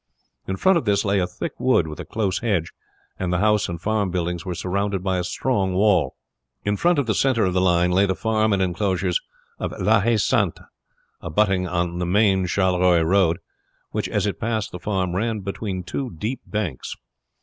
In front of this lay a thick wood with a close hedge, and the house and farm buildings were surrounded by a strong wall. In front of the center of the line lay the farm and inclosures of La Haye Sainte, abutting on the main Charleroi road, which, as it passed the farm, ran between two deep banks.